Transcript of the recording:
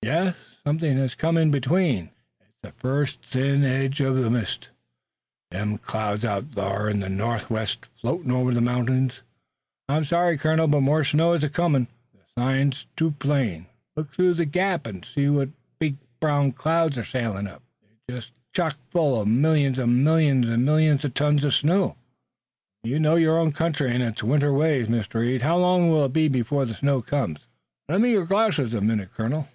"Yes, something has come in between." "It's the first thin edge uv the mist. Them's clouds out thar in the northwest, floatin' over the mountings. I'm sorry, colonel, but more snow is comin'. The signs is too plain. Look through that gap an' see what big brown clouds are sailin' up! They're just chock full uv millions uv millions uv tons uv snow!" "You know your own country and its winter ways, Mr. Reed. How long will it be before the snow comes?" "Lend me your glasses a minute, colonel."